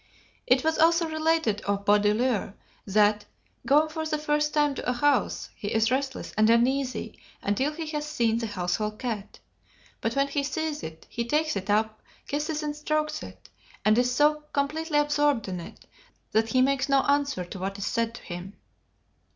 It was also related of Baudelaire that, "going for the first time to a house, he is restless and uneasy until he has seen the household cat. But when he sees it, he takes it up, kisses and strokes it, and is so completely absorbed in it, that he makes no answer to what is said to him."